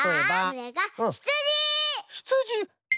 ひつじ？